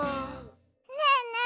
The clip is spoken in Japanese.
ねえねえ